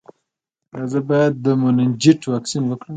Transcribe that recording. ایا زه باید د مننجیت واکسین وکړم؟